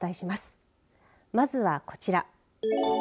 まずは、こちら。